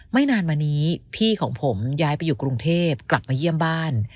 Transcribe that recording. ไม่นานมานี้พี่ของผมย้ายไปอยู่กรุงเทพกลับมาเยี่ยมบ้าน